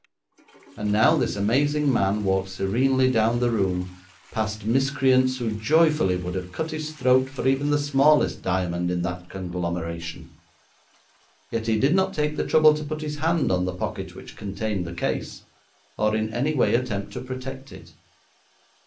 And now this amazing man walked serenely down the room past miscreants who joyfully would have cut his throat for even the smallest diamond in that conglomeration; yet he did not take the trouble to put his hand on the pocket which contained the case, or in any way attempt to protect it.